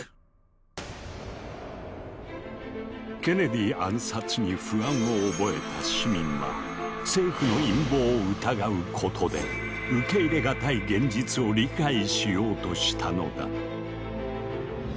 ケネディ暗殺に不安を覚えた市民は政府の陰謀を疑うことで受け入れがたい現実を理解しようとしたのだ。